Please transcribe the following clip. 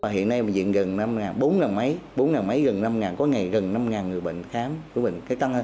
hiện nay mình diện gần bốn năm mấy bốn năm mấy gần năm ngàn có ngày gần năm ngàn người bệnh khám